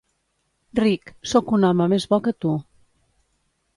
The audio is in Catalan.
Rick, soc un home més bo que tu.